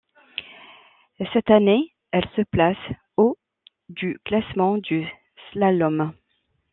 Cette même année, elle se place au du classement du slalom.